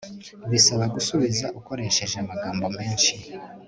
bisaba gusubiza ukoresheje amagambo menshi